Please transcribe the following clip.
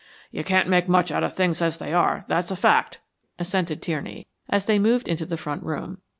"You can't make much out of things as they are, that's a fact," assented Tierney, as they moved into the front room.